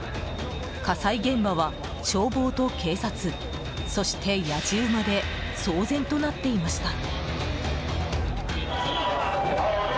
火災現場は、消防と警察そして、やじ馬で騒然となっていました。